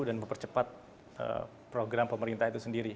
dan mempercepat program pemerintah itu sendiri